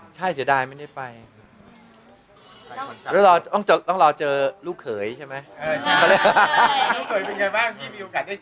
ใช่จะได้ไม่ได้ไปต้องรอเจอลูกเขยใช่ไหม